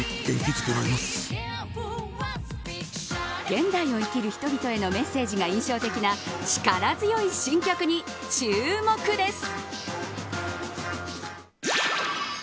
現代を生きる人々へのメッセージが印象的な力強い新曲に注目です。